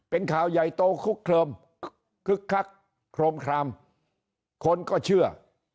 เป็นข่าวใหญ่โตคึกคักโครมคลามคนก็เชื่อ